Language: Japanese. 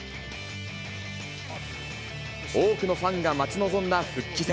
多くのファンが待ち望んだ復帰戦。